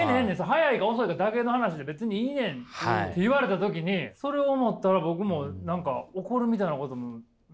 早いか遅いかだけの話で別にいいねん」って言われた時にそれを思ったら僕も何か怒るみたいなこともないし。